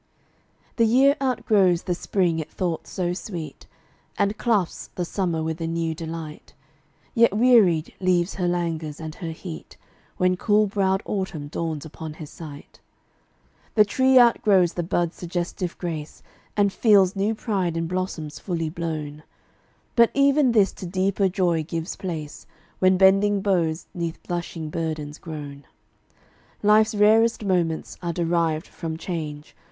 The year outgrows the spring it thought so sweet, And clasps the summer with a new delight, Yet wearied, leaves her languors and her heat When cool browed autumn dawns upon his sight. The tree outgrows the bud's suggestive grace, And feels new pride in blossoms fully blown. But even this to deeper joy gives place When bending boughs 'neath blushing burdens groan. Life's rarest moments are derived from change.